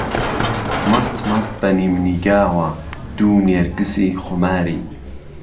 مەست مەست بە نیمنیگاوە، دوو نێرگسی خوماری